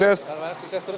terima kasih pak sukses terus